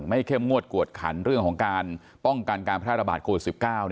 ไม่เข้มงวดกวดขันเรื่องของการป้องกันการพระธรรบาศโกศ์๑๙